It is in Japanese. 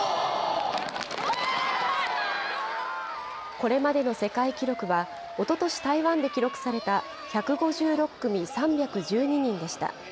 これまでの世界記録は、おととし台湾で記録された１５６組３１２人でした。